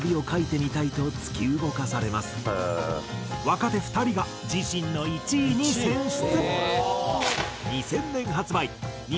若手２人が自身の１位に選出。